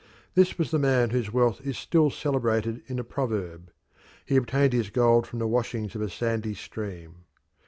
This was the man whose wealth is still celebrated in a proverb he obtained his gold from the washings of a sandy stream.